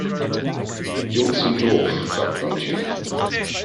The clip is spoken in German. Jungs sind doof, sagt Antje.